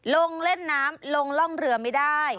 ลงเล่นน้ำลงร่องเรือไม่ได้